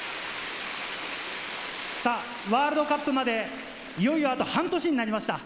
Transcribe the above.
ワールドカップまでいよいよ、あと半年になりました。